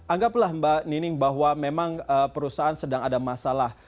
anggaplah mbak nining bahwa memang perusahaan sedang ada masalah